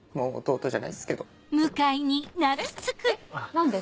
何で？